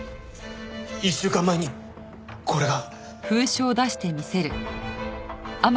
１週間前にこれが。